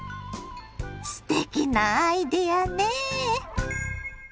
すてきなアイデアねぇ。